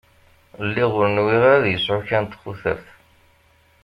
Lliɣ ur nwiɣ ara ad yesεu kra n txutert.